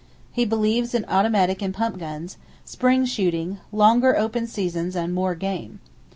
He believes in automatic and pump guns, spring shooting, longer open seasons and "more game."